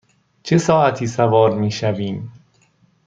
چه ساعتی سوار می شویم؟